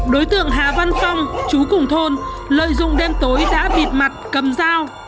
đối tượng hà văn phong chú cùng thôn lợi dụng đêm tối đã vịt mặt cầm dao